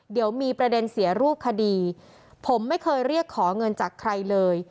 เดี๋ยวมีประเด็นเสียรูปคดีผมไม่เคยเรียกขอเงินจากใครเลย